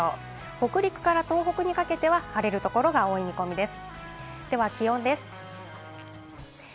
北陸から東北にかけては晴れる所が多い見込みです。